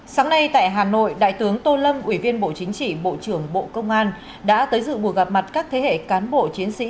sáng nay tại hà nội đại tướng tô lâm ủy viên bộ chính trị bộ trưởng bộ công an đã tới dự buổi gặp mặt các thế hệ cán bộ chiến sĩ